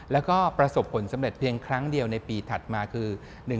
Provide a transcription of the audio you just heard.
แล้วก็ประสบผลสำเร็จเพียงครั้งเดียวในปีถัดมาคือ